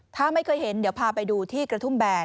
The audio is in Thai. ถ้าไม่เคยเห็นเดี๋ยวพาไปดูที่กระทุ่มแบน